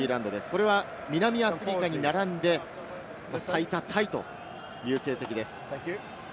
これは南アフリカに並んで最多タイという成績です。